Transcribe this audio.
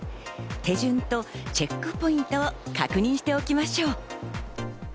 手順とチェックポイントを確認しておきましょう。